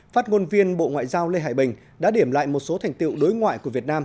phát ngôn viên bộ ngoại giao lê hải bình đã điểm lại một số thành tiệu đối ngoại của việt nam